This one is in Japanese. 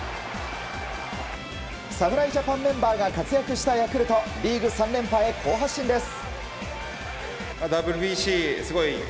侍ジャパンメンバーが活躍したヤクルトリーグ３連覇へ好発進です。